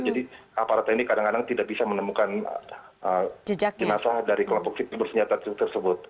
jadi aparat tni kadang kadang tidak bisa menemukan jenazah dari kelompok separatis bersenjata tersebut